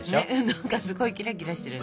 何かすごいキラキラしてるね。